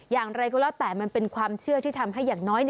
อย่างไรก็แล้วแต่มันเป็นความเชื่อที่ทำให้อย่างน้อย